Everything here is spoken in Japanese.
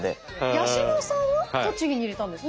八嶋さんは栃木に入れたんですね。